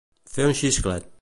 Fer un xisclet.